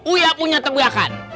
uyak punya tebakan